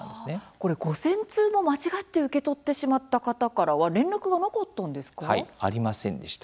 これ５０００通も間違って受け取ってしまった方からははい、ありませんでした。